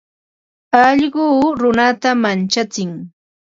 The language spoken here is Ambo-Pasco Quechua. Alluqu runata manchatsin.